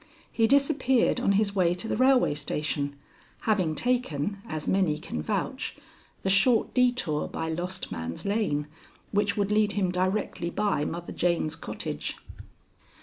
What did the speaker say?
He disappeared on his way to the railway station, having taken, as many can vouch, the short detour by Lost Man's Lane, which would lead him directly by Mother Jane's cottage."